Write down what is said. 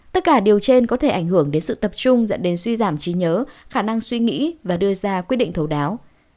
tất cả điều trên có thể ảnh hưởng đến sự tập trung dẫn đến suy giảm trí nhớ khả năng suy nghĩ và đưa ra quyết định thấu đáo